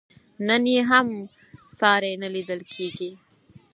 نن یې هم ساری نه لیدل کېږي.